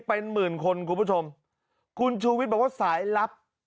เป็นหมื่นคนคุณผู้ชมคุณชูวิทย์บอกว่าสายลับ